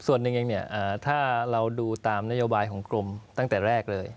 ส่วนหนึ่งเองเนี่ยถ้าเราดูตามนโยบายของกรมตั้งแต่แรกเลย